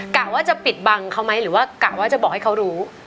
กะว่าจะปิดบังเขาไหมหรือว่ากะว่าจะบอกให้เขารู้